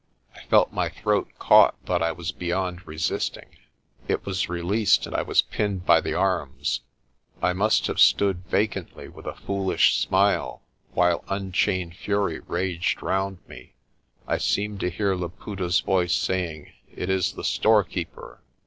" I felt my throat caught, but I was beyond resisting. It was released and I was pinned by the arms. I must have stood vacantly, with a foolish smile, while unchained fury raged round me. I seemed to hear Laputa's voice saying, "It is the storekeeper."